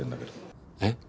えっ？